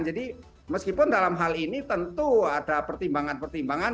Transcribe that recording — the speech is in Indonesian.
jadi meskipun dalam hal ini tentu ada pertimbangan pertimbangan